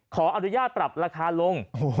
ขออนุญาตปรับราคาลง